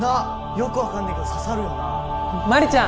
よく分かんねえけど刺さるよな麻里ちゃん！